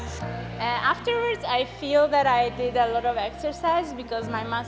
saya merasa saya telah melakukan banyak latihan karena otot saya sedang menangis